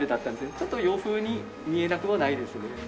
ちょっと洋風に見えなくもないですよね。